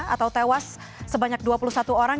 atau tewas sebanyak dua puluh satu orang